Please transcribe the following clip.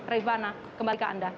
rivana kembali ke anda